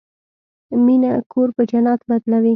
مینه کور په جنت بدلوي.